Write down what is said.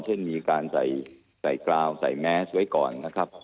เช่นมีการใส่กราวใส่แมสไว้ก่อนนะครับ